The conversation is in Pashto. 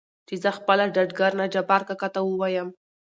چې زه خپله ډاډګرنه جبار کاکا ته ووايم .